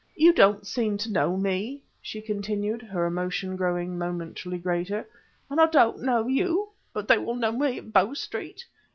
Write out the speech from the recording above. "You don't seem to know me," she continued, her emotion growing momentarily greater, "and I don't know you; but they will know me at Bow Street.